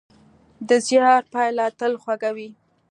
د زیار پایله تل خوږه وي.